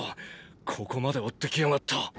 ここまで追ってきやがった。